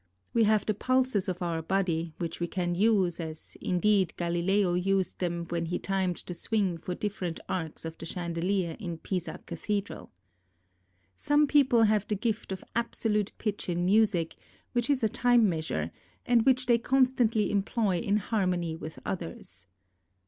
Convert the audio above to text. We have the pulses of our body, which we can use, as 14 ON GRAVITATION indeed Galileo used them when he timed the swing for different arcs of the chandelier in Pisa Cathedral. Some people have the gift of absolute pitch in music, which is a time measure, and which they constantly employ in harmony with others.